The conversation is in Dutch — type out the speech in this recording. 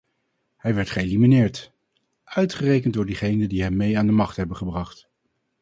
Hij werd geëlimineerd, uitgerekend door diegenen die hem mee aan de macht hebben gebracht.